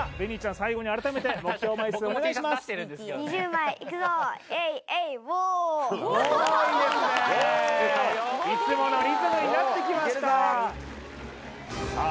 最後に改めていつものリズムになってきましたさあ